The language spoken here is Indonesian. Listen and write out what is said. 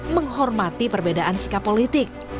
menghormati perbedaan sikap politik